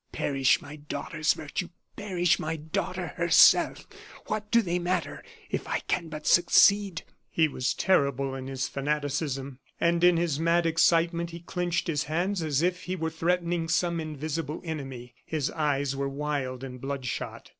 Perish my daughter's virtue perish my daughter herself what do they matter, if I can but succeed?" He was terrible in his fanaticism; and in his mad excitement he clinched his hands as if he were threatening some invisible enemy; his eyes were wild and bloodshot.